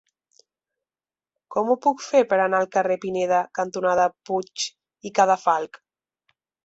Com ho puc fer per anar al carrer Pineda cantonada Puig i Cadafalch?